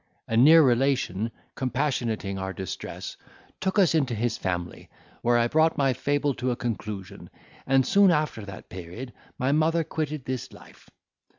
A near relation, compassionating our distress, took us into his family, where I brought my fable to a conclusion; and, soon after that period my mother quitted this life.